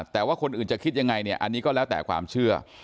แต่ว่าคนอื่นจะคิดยังไงเนี่ยอันนี้ก็แล้วแต่ความเชื่อ